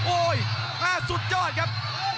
โอ้ยหน้าสุดยอดครับ